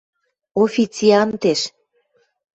Официантеш.